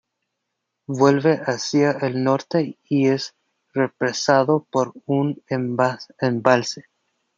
Vuelve hacia el norte y es represado por un embalse.